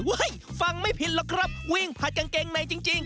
ฟังไม่ผิดหรอกครับวิ่งผัดกางเกงในจริง